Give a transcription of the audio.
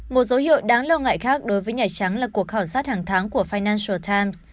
một dấu hiệu đáng lo ngại khác đối với nhà trắng là cuộc khảo sát hàng tháng của finantial times